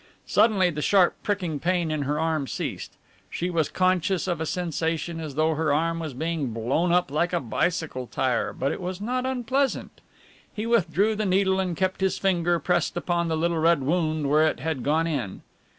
'" Suddenly the sharp pricking pain in her arm ceased. She was conscious of a sensation as though her arm was being blown up like a bicycle tyre, but it was not unpleasant. He withdrew the needle and kept his finger pressed upon the little red wound where it had gone in.